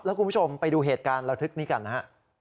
คุณผู้ชมไปดูเหตุการณ์ระทึกนี้กันนะฮะ